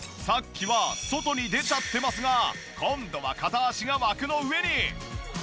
さっきは外に出ちゃってますが今度は片足が枠の上に。